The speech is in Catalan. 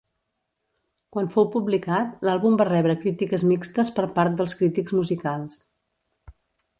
Quan fou publicat, l'àlbum va rebre crítiques mixtes per part dels crítics musicals.